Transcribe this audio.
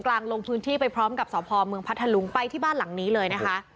ลงพื้นที่ไปพร้อมกับสพเมืองพัทธลุงไปที่บ้านหลังนี้เลยนะคะ